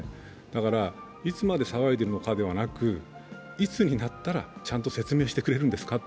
だからいつまで騒いでいるのかではなく、いつになったら、ちゃんと説明してくれるんですか？